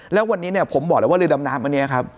แล้ววันนี้เนี่ยผมบอกแล้วว่าเรือดำน้ำอันนี้ครับ